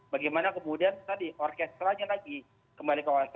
bagaimana kemudian tadi orkestranya lagi kembali ke orkes